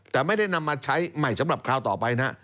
แต่ไม่ได้นำมาใช้ใหม่สำหรับคราวต่อไปนะ